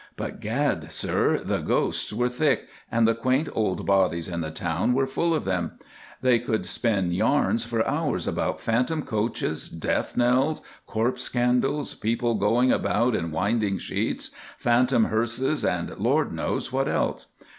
But, gad, sir, the ghosts were thick, and the quaint old bodies in the town were full of them. They could spin yarns for hours about phantom coaches, death knells, corpse candles, people going about in winding sheets, phantom hearses, and Lord knows what else.